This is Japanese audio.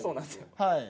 はい。